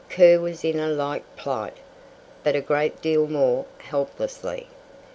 Kerr was in a like plight, but a great deal more helplessly.